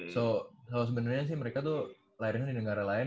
so sebenarnya sih mereka tuh lahirnya di negara lain